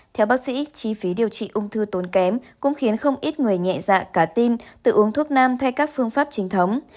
theo bác sĩ chi phí điều trị ung thư tốn kém cũng khiến không ít người nhẹ dạ cả tin tự uống thuốc nam thay các phương pháp trinh thống